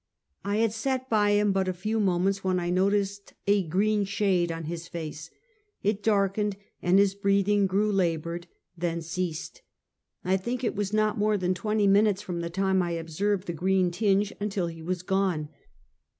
I had sat by him but a few moments when I noticed a green shade on his face. It darkened, and his breath ing grew labored— then ceased. I think it was not more than twenty minutes from the time I observed the green tinge until he was gone.